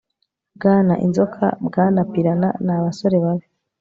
Bwana Inzoka Bwana Piranha Ni abasore babi